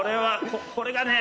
これがね